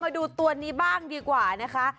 มาดูตัวนี้บ้างดีกว่านะคะ